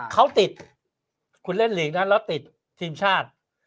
เขาติดคุณเล่นหลีกนั้นแล้วติดทีมชาติ